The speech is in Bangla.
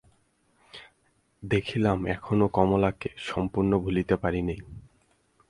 দেখিলাম এখনো কমলাকে সম্পূর্ণ ভুলিতে পারি নাই।